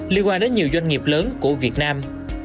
liên quan đến nhiều doanh nghiệp lớn của việt nam